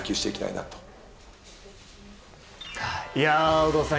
有働さん